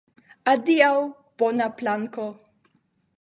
Adiaŭ, bona planko!